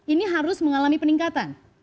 ini harus mengalami peningkatan